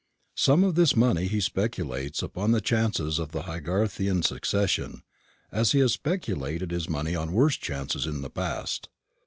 Some of this money he speculates upon the chances of the Haygarthian succession, as he has speculated his money on worse chances in the past.